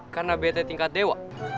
karena bete tingkat dewa